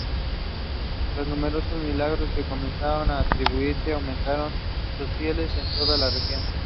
Los numerosos milagros que comenzaron a atribuírsele aumentaron sus fieles en toda la región.